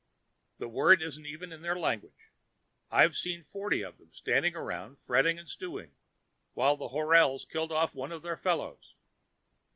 "The word isn't even in their language. I've seen forty of them standing around, fretting and stewing, while the horals killed off one of their fellows."